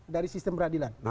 dari sistem peradilan